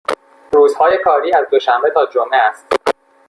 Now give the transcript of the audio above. روزهای کاری از دوشنبه تا جمعه است.